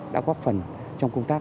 đã góp phần trong công tác